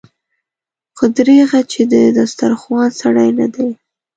خو دريغه چې د دسترخوان سړی نه دی.